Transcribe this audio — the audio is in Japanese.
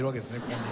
ここに。